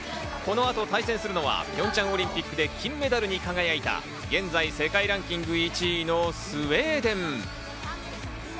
この後対戦するのはピョンチャンオリンピックで金メダルに輝いた現在世界ランキング１位のスウェーデン。